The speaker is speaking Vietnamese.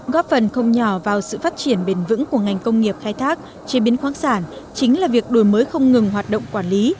góp phần không nhỏ vào sự phát triển bền vững của ngành công nghiệp khai thác chế biến khoáng sản chính là việc đổi mới không ngừng hoạt động quản lý